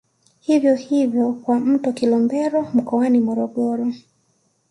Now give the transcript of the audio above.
Hivyo hivyo kwa mto Kilombero mkoani Morogoro